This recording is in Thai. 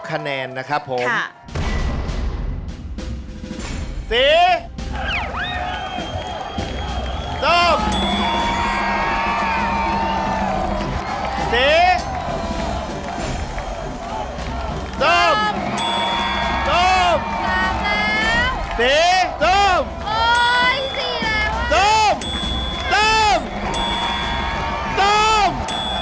คะแนนนะครับผมค่ะสีส้มสีส้มส้มสีส้มส้มส้มส้ม